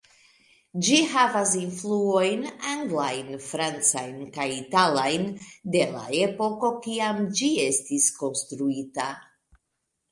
Ĝi havas influojn anglajn, francajn kaj italajn, de la epoko kiam ĝi estis konstruita.